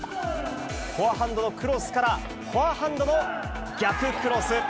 フォアハンドのクロスから、フォアハンドの逆クロス。